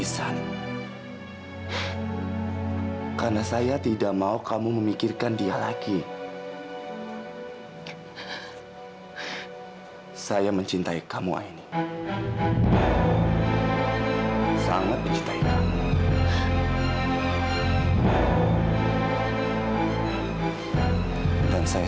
sampai jumpa di video selanjutnya